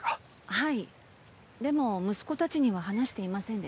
はいでも息子たちには話していませんでした。